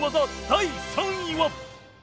第３位は